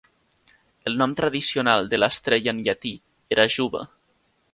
El nom tradicional de l'estrella en llatí era "Juba".